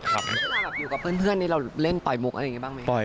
เวลาแบบอยู่กับเพื่อนนี่เราเล่นปล่อยมุกอะไรอย่างนี้บ้างไหม